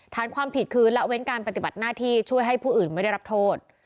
ฐานความผิดคือละเว้นการปฏิบัติหน้าที่ช่วยให้ผู้อื่นไม่ได้รับโทษ